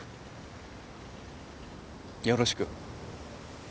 よろしく。